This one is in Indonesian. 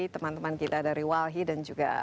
teman teman kita dari walhi dan juga